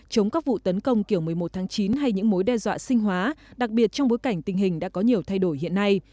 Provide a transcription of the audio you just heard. chống các vụ tấn công kiểu một mươi một tháng chín hay những mối đe dọa sinh hóa đặc biệt trong bối cảnh tình hình đã có nhiều thay đổi hiện nay